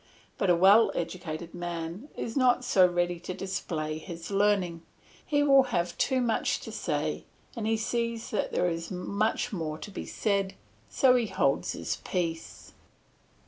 But a well educated man is not so ready to display his learning; he would have too much to say, and he sees that there is much more to be said, so he holds his peace.